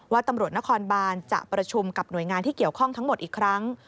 ตำรวจนครบานจะประชุมกับหน่วยงานที่เกี่ยวข้องทั้งหมดอีกครั้ง